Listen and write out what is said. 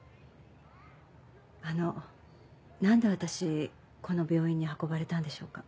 あの何で私この病院に運ばれたんでしょうか？